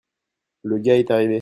le gars est arrivé.